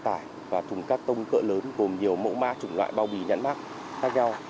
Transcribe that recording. bao tải và thùng các tông cỡ lớn gồm nhiều mẫu ma trùng loại bao bì nhãn mát tác giao